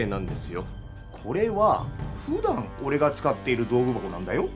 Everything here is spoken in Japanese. これはふだんおれが使っている道具箱なんだよ。